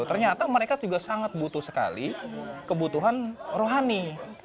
ternyata mereka juga sangat butuh sekali kebutuhan rohani